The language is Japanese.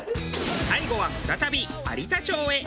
最後は再び有田町へ。